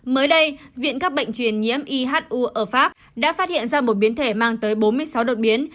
mới đây viện các bệnh truyền nhiễm ihu ở pháp đã phát hiện ra một biến thể mang tới bốn mươi sáu đột biến